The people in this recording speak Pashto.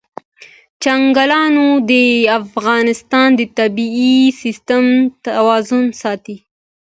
چنګلونه د افغانستان د طبعي سیسټم توازن ساتي.